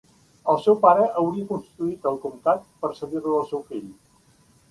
El seu pare hauria constituït el comtat per cedir-lo al seu fill.